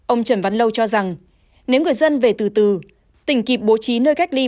ông trần văn lâu cho rằng nếu người dân về từ từ tỉnh kịp bố trí nơi cách ly